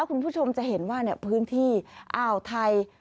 คุณผู้ชมจะเห็นว่าพื้นที่อ่าวไทย